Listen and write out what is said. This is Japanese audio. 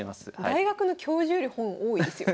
大学の教授より本多いですよ